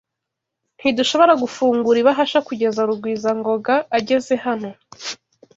Ntidushobora gufungura ibahasha kugeza Rugwizangoga ageze hano.